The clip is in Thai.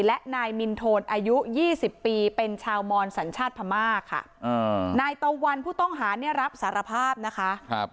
และนายมินโทนอายุ๒๐ปีเป็นชาวมอนสัญชาติพม่าค่ะนายตะวันผู้ต้องหาเนี่ยรับสารภาพนะคะ